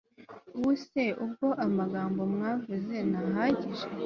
ubuse ubwo amagambo mwavuze ntahagije